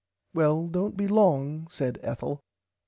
Well dont be long said Ethel.